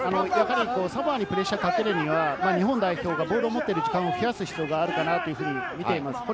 サモアにプレッシャーをかけるには、日本代表がボールを持ってる時間を増やす必要があるかなと見ています。